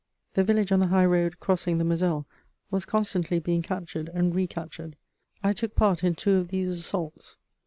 The village on the high road crossing the Moselle was constantly being captured and recaptured. I took part in two of these assaults.